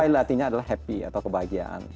kuai le artinya adalah happy atau kebahagiaan